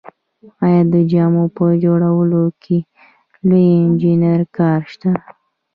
آیا د جامو په جوړولو کې د انجینر کار شته